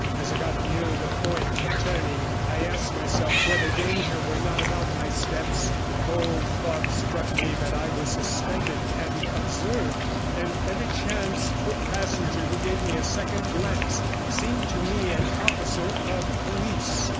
As I got near the point of turning, I asked myself whether danger were not about my steps; the cold thought struck me that I was suspected and observed, and every chance foot passenger who gave me a second glance seemed to me an officer of police.